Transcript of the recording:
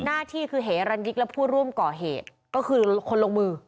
หน้าที่คือเหรันยิกและผู้ร่วมก่อเหตุก็คือคนลงมือ